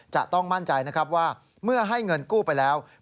จะต้องมั่นใจนะครับว่าเมื่อให้เงินกู้ไปแล้ว